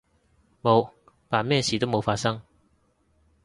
冇，扮咩事都冇發生